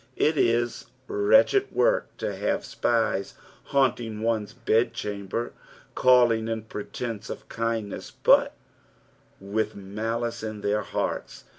It is wretched work to have spies haunting one's bedchamber, calling in pretence of kindness, but with malice in their hearts.